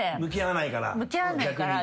向き合わないから。